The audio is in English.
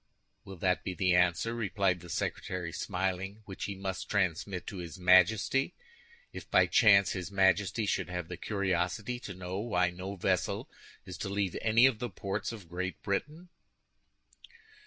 "Will that be the answer," replied the secretary, smiling, "which he must transmit to his Majesty if, by chance, his Majesty should have the curiosity to know why no vessel is to leave any of the ports of Great Britain?"